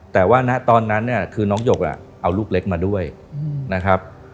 แต่ว่าณตอนนั้นเนี่ยคือน้องหยกเอาลูกเล็กมาด้วยนะครับ